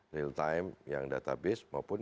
real time yang data base maupun